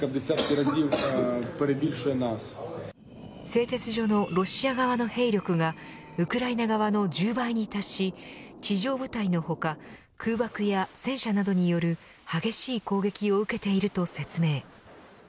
製鉄所のロシア側の兵力がウクライナ側の１０倍に達し地上部隊の他空爆や戦車などによる激しい攻撃を受けていると説明。